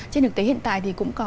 chứ được tới hiện tại thì cũng có